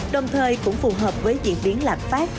đồng thời cũng phù hợp với diễn biến lạc phát